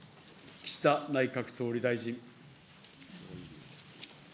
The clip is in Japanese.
岸田内閣総理大臣。